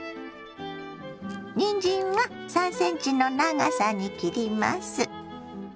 にんじんは３ｃｍの長さに切ります。